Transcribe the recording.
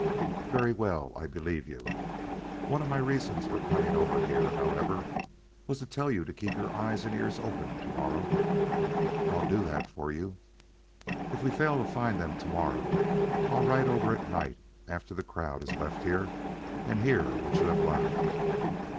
"Very well. I believe you. One of my reasons for coming over here, however, was to tell you to keep your eyes and ears open to morrow." "I'll do that for you " "If we fail to find them to morrow, I'll ride over at night after the crowd has left here and hear what you have learned.